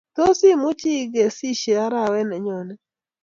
Tos imuchi igesishe arawet nennyoni?